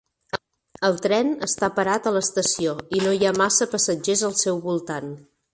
El tren està parat a l'estació i no hi ha massa passatgers al seu voltant.